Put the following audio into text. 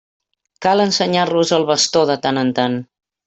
Cal ensenyar-los el bastó de tant en tant.